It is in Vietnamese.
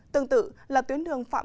tương tự là tuyến đường phạm